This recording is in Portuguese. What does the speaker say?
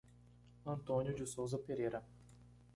Antônio de Sousa Pereira